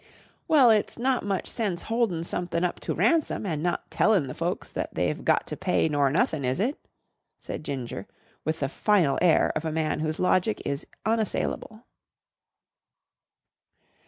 "Well, it's not much sense holdin' somethin' up to ransom and not tellin' the folks that they've got to pay nor nothin', is it?" said Ginger with the final air of a man whose logic is unassailable.